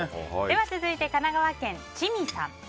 続いて神奈川県の方。